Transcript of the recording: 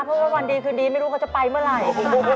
เพราะว่าวันดีคืนดีไม่รู้เขาจะไปเมื่อไหร่